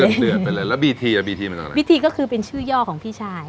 เดือดไปเลยแล้วบีทีอ่ะบีทีเป็นอะไรบีทีก็คือเป็นชื่อย่อของพี่ชาย